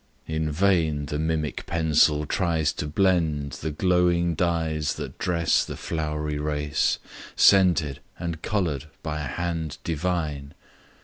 In vain the mimic pencil tries to blend The glowing dyes that dress the flowery race, Scented and colour'd by a hand divine!